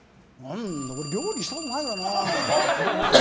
俺、料理したことないからな。